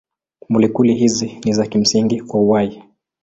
Molekuli hizi ni za kimsingi kwa uhai.